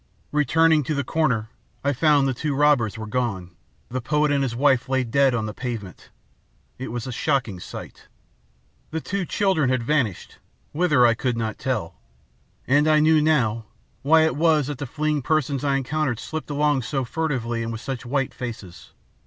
"Returning to the corner, I found the two robbers were gone. The poet and his wife lay dead on the pavement. It was a shocking sight. The two children had vanished whither I could not tell. And I knew, now, why it was that the fleeing persons I encountered slipped along so furtively and with such white faces.